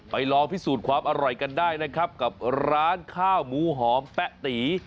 ลองพิสูจน์ความอร่อยกันได้นะครับกับร้านข้าวหมูหอมแป๊ะตี